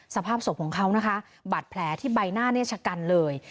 สภาพศพของเขานะคะบาดแผลที่ใบหน้าเนี่ยชะกันเลย